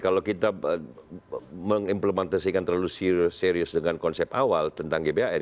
kalau kita mengimplementasikan terlalu serius dengan konsep awal tentang gbhn